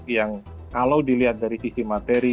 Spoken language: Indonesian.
yang kalau dilihat dari sisi materi